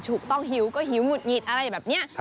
ถูกต้องนะชมหิวก็หิวหมุดหงิดอะไรแบบนี้